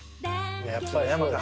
やっぱり山か。